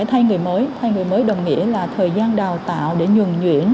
thay người mới thay người mới đồng nghĩa là thời gian đào tạo để nhường nhuyễn